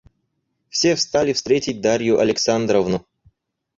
Все встали встретить Дарью Александровну.